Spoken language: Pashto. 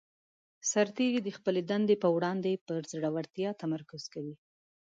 سرتیری د خپلې دندې په وړاندې پر زړه ورتیا تمرکز کوي.